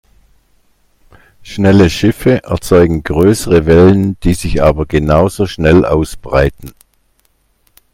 Schnelle Schiffe erzeugen größere Wellen, die sich aber genauso schnell ausbreiten.